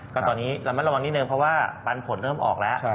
ก็ตอนนี้ระมัดระวังนิดนึงเพราะว่าปันผลเริ่มออกแล้ว